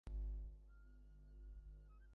মানুষের বোধ হয় দুটো বুদ্ধি আছে।